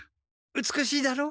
美しいだろう！？